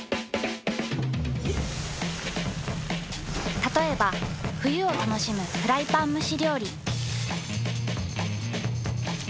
たとえば冬を楽しむフライパン蒸し料理。